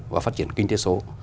và phát triển kinh tế số